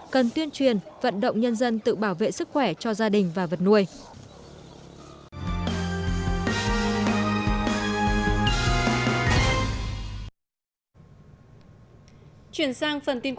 cần tuyên truyền vận động nhân dân tự bảo vệ sức khỏe cho gia đình và vật nuôi